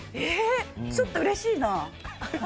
ちょっとうれしいな。